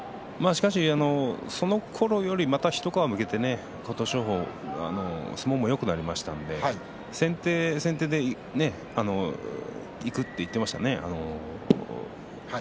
そのころよりも琴勝峰は一皮むけて相撲もよくなりましたので先手先手でいくって言ってましたね。